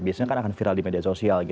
biasanya kan akan viral di media sosial